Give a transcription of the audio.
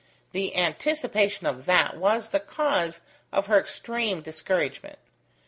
The anticipation of that was the cause of her extreme discouragement.